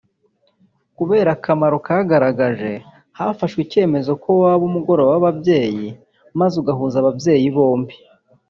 Kubera akamaro kagaragaje hafashwe icyemezo ko waba ‘Umugoroba w’Ababyeyi’ maze ugahuza ababyeyi bombi